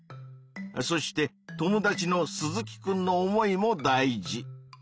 そして友達の鈴木くんの思いも大事。